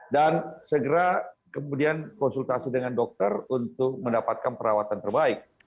dan segera kemudian konsultasi dengan dokter untuk mendapatkan perawatan terbaik